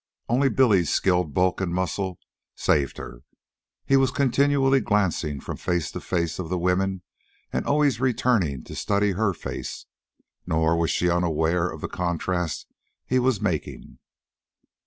Only Billy's skilled bulk and muscle saved her. He was continually glancing from face to face of the women and always returning to study her face, nor was she unaware of the contrast he was making.